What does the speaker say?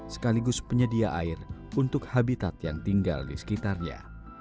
sekaligus penyedia air untuk habitat yang tinggal di sekitarnya